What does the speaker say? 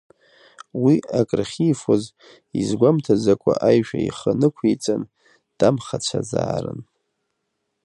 Уи акрахьифоз, изгәамҭаӡакәа аишәа ихы нықәиҵан, дамхацәазаарын.